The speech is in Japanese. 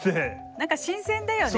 何か新鮮だよね。